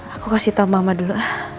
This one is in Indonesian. aku kasih tau mama dulu